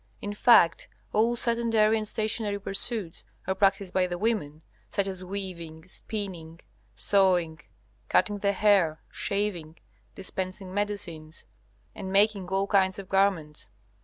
In fact, all sedentary and stationary pursuits are practised by the women, such as weaving, spinning, sewing, cutting the hair, shaving, dispensing medicines, and making all kinds of garments.